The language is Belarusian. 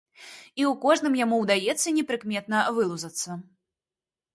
І ў кожным яму ўдаецца непрыкметна вылузацца.